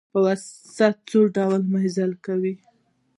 په اوسط ډول مزل کاوه.